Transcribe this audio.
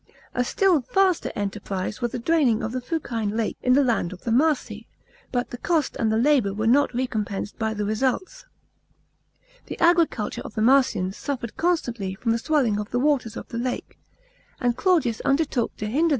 A still vaster enterprise was the draining of the Fuciue Lake in the land of the Mar si, but the cost and the labour were not recompensed by the results. The agriculture of the Marsians suffered constantly from the swelling of the waters of the lake, and Claudius undertook to hinder this * It WM tried once again by Nerva, as we shall see.